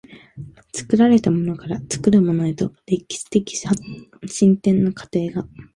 作られたものから作るものへとの歴史的進展の過程が、